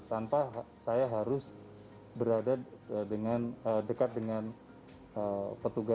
tanpa saya harus berada dekat dengan petugas